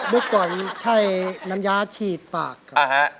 มุกก่อนใช่น้ำยาฉีดปากเค้า